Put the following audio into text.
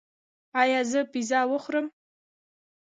ایا زه پیزا وخورم؟